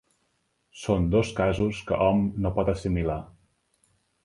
Són dos casos que hom no pot assimilar.